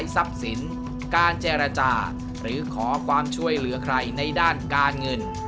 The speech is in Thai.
ทรัพย์สินการเจรจาหรือขอความช่วยเหลือใครในด้านการเงิน